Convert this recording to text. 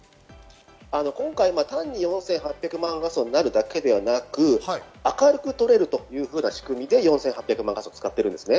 今回、単に４８００万画素になるだけではなく、明るく撮れるというような仕組みで４８００万画素を使ってるんです。